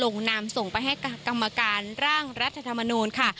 นำส่งไปให้กรรมการร่างรัฐธรรมนูลค่ะ